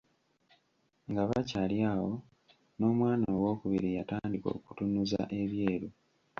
Nga bakyali awo n’omwana ow’okubiri yatandika okutunuza ebyeru.